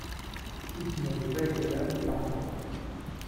si tu n'avais pas été là je partais.